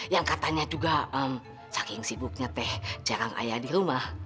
yang katanya juga saking sibuknya teh jarang ayah di rumah